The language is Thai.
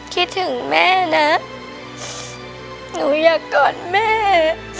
คิดถึงแม่นะหนูอยากกอดแม่